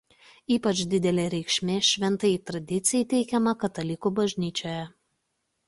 Ypač didelė reikšmė Šventajai Tradicijai teikiama Katalikų Bažnyčioje.